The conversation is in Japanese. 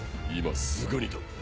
今すぐにだ。